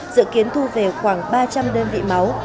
dự kiến thu về khoảng ba trăm linh đơn vị máu